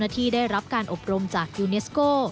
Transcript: ที่ได้รับการอบรมจากยูเนสโก้